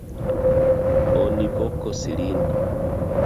Oni vokos lin.